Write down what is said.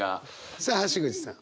さあ橋口さん。